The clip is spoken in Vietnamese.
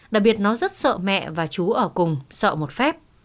đặc biệt nó rất sợ mẹ và chú ở cùng sợ một phép